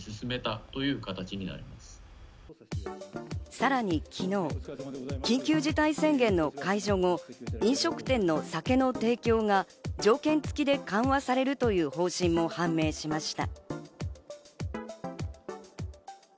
さらに昨日、緊急事態宣言の解除後、飲食店の酒の提供が条件付きで緩和されるという方針も判明しました。